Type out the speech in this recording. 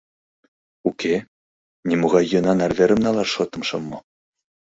Уке, нимогай йӧнан арверым налаш шотым шым му.